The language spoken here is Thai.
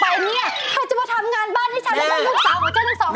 ใครจะมาทำงานบ้านให้ฉันและลูกสาวของเจ้าทั้งสองคน